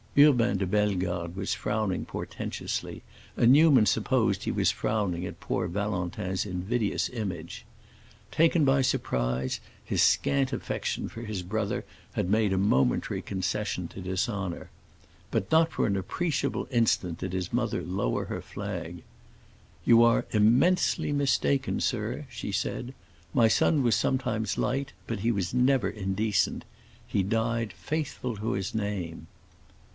Urbain de Bellegarde was frowning portentously, and Newman supposed he was frowning at poor Valentin's invidious image. Taken by surprise, his scant affection for his brother had made a momentary concession to dishonor. But not for an appreciable instant did his mother lower her flag. "You are immensely mistaken, sir," she said. "My son was sometimes light, but he was never indecent. He died faithful to his name."